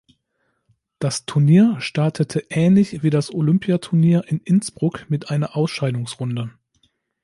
Das Turnier startete ähnlich wie das Olympiaturnier in Innsbruck mit einer Ausscheidungsrunde.